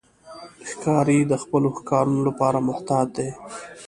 ښکاري د خپلو ښکارونو لپاره محتاط دی.